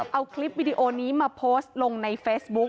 เอาคลิปวิดีโอนี้มาโพสต์ลงในเฟซบุ๊ค